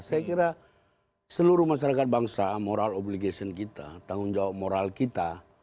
saya kira seluruh masyarakat bangsa moral obligation kita tanggung jawab moral kita